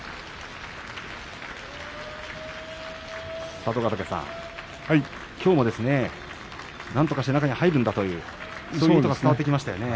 佐渡ヶ嶽さん、きょうもなんとかして中に入るんだという意図が伝わってきましたね。